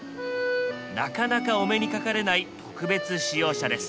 なかなかお目にかかれない特別仕様車です。